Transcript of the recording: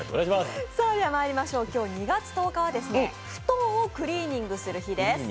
今日２月１０日はふとんをクリーニングする日です。